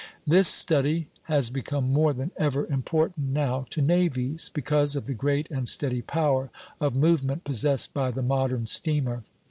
This study has become more than ever important now to navies, because of the great and steady power of movement possessed by the modern steamer.